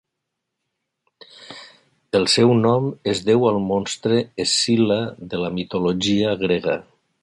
El seu nom es deu al monstre Escil·la de la mitologia grega.